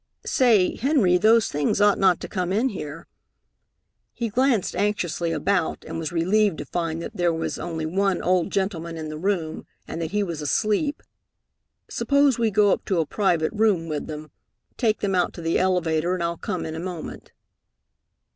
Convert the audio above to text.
"Say, Henry, those things ought not to come in here." He glanced anxiously about, and was relieved to find that there was only one old gentleman in the room, and that he was asleep. "Suppose we go up to a private room with them. Take them out to the elevator, and I'll come in a moment."